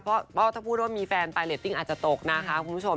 เพราะถ้าพูดว่ามีแฟนไปเรตติ้งอาจจะตกนะคะคุณผู้ชม